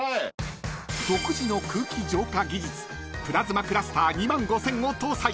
［独自の空気浄化技術プラズマクラスター２５０００を搭載］